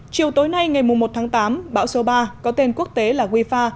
chiều tối nay ngày một tháng tám bão số ba có tên quốc tế là wifa